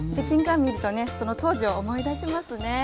きんかん見るとねその当時を思い出しますね。